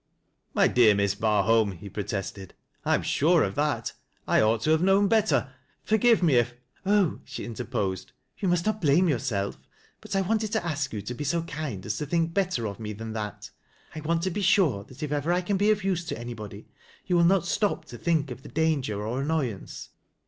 " My dear Miss Barholm," he protested, " I am sure ol that. I ought to have known better. Forgive me if —"" Oh," she interposed, " you must not blame yourself, But I wanted to ask you to be so kind as to tliink better oi ii.e than that I want to be sure that if ever I can be of nse to anybody, you will not stop to think of the danger oi annoyance.